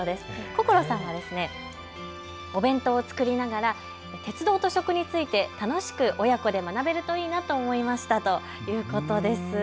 こころさんはお弁当を作りながら鉄道と食について楽しく親子で学べるといいなと思いましたということです。